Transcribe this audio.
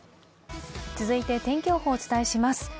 続いて天気予報をお伝えします。